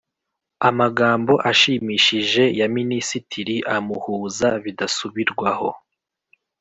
amagambo ashimishije ya minisitiri amuhuza bidasubirwaho.